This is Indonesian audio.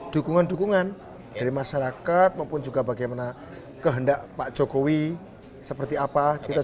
dukungan dukungan dari masyarakat maupun juga bagaimana kehendak pak jokowi seperti apa